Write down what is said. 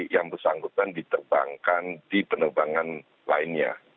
yang bersangkutan diterbangkan di penerbangan lainnya